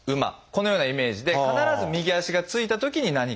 このようなイメージで必ず右足がついたときに何かを言う。